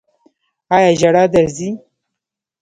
ایا ژړا درځي؟